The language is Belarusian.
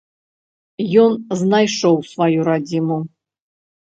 Ён знайшоў сваю радзіму.